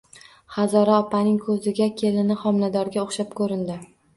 Hazora opaning koʻziga kelini homiladorga oʻxshab koʻrindi